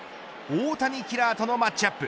大谷キラーとのマッチアップ。